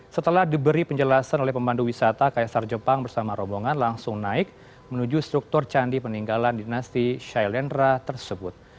setelah diberi penjelasan oleh pemandu wisata kaisar jepang bersama rombongan langsung naik menuju struktur candi peninggalan dinasti shailendra tersebut